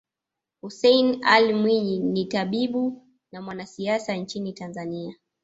Hussein Ally Mwinyi ni tabibu na mwanasiasa nchini Tanzania